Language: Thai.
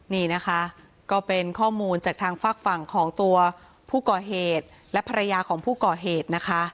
นี่นะคะก็เป็นข้อมูลจากทางฝากฝั่งของตัวผู้ก่อเหตุและภรรยาของผู้ก่อเหตุนะคะ